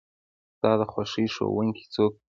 ستا د خوښې ښوونکي څوک دی؟